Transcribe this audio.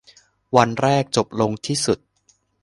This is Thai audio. วันแรกจบลงที่จุด